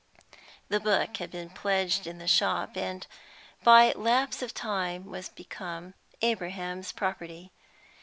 The book had been pledged in the shop, and by lapse of time was become Abraham's property.